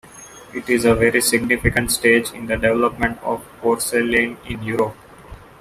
It is a very significant stage in the development of porcelain in Europe.